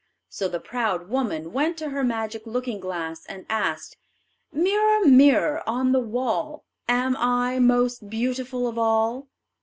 So the proud woman went to her magic looking glass, and asked: "Mirror, mirror on the wall, Am I most beautiful of all?"